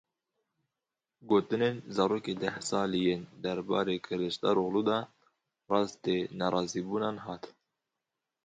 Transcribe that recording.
Gotinên zarokê deh salî yên derbarê Kilicdaroglu de rastî nerazîbûnan hat.